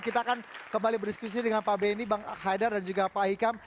kita akan kembali berdiskusi dengan pak benny bang haidar dan juga pak hikam